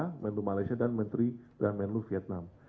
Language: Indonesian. menteri menlu malaysia dan menteri menlu vietnam